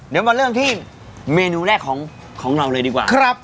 เดี๋ยวมาเริ่มที่เมนูแรกของเราเลยดีกว่าครับ